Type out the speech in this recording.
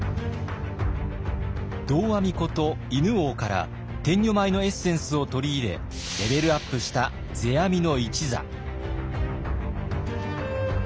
道阿弥こと犬王から天女舞のエッセンスを取り入れレベルアップした世阿弥の一座。